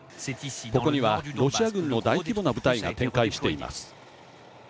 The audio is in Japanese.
ここにはロシア軍の大規模な部隊が展開しています。